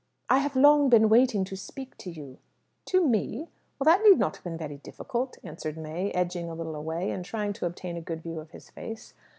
"I have long been wanting to speak to you." "To me? Well, that need not have been very difficult," answered May, edging a little away, and trying to obtain a good view of his face.